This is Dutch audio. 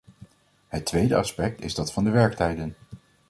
Het tweede aspect is dat van de werktijden.